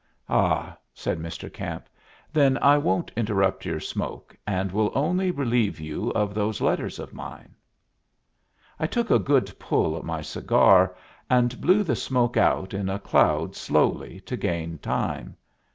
"Ah!" said Mr. Camp. "Then I won't interrupt your smoke, and will only relieve you of those letters of mine." I took a good pull at my cigar, and blew the smoke out in a cloud slowly to gain time.